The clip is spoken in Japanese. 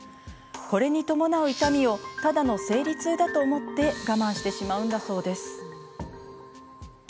これに伴う痛みをただの生理痛だと思って我慢してしまうんだそうです。